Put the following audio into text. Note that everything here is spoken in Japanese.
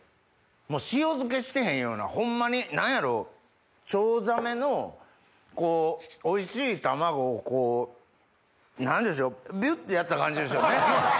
もう塩漬けしてへんようなホンマに何やろチョウザメのおいしい卵をこう何でしょうビュ！ってやった感じですよね！